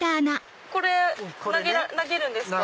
これ投げるんですか？